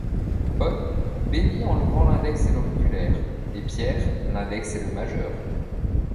Paul bénit en levant l'index et l'auriculaire et Pierre l'index et le majeur.